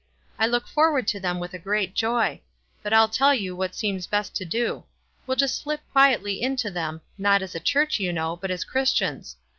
I look forward to them with a great joy ; but I'll tell you what seems best to do. We'll just slip quietly into them, not as a church, you know, but as Christians.